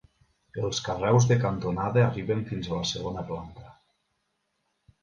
Els carreus de cantonada arriben fins a la segona planta.